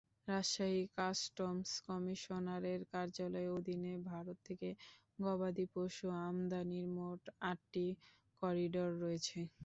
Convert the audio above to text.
Rajshahi customs কমিশনারের কার্যালয়ের অধীনে ভারত থেকে গবাদিপশু আমদানির মোট আটটি করিডর রয়েছে।